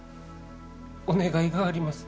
お願いがあります。